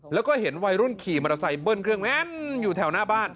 แล้วก็เห็นวัยรุ่นขี่มอเตอร์ไซค์เบิ้ลเครื่องแว่นอยู่แถวหน้าบ้าน